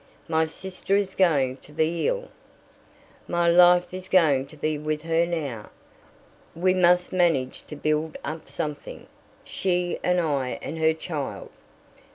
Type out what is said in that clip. "My sister is going to be ill. My life is going to be with her now. We must manage to build up something, she and I and her child."